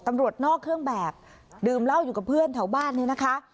ตำรวจนอกเครื่องแบบดื่มเหล้าอยู่กับเพื่อนแถวบ้านเนี่ยนะคะ